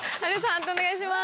判定お願いします。